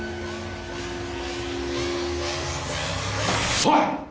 ・おい！